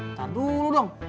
ntar dulu dong